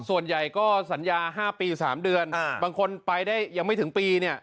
ส่วนใหญ่ก็สัญญา๕ปี๓เดือนบางคนไปได้ยังไม่ถึงปีเนี่ย